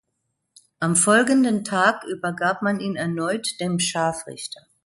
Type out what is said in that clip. Am folgenden Tag übergab man ihn erneut dem Scharfrichter.